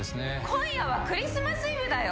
・「今夜はクリスマスイブだよ」